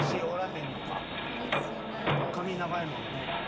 髪長いもんね。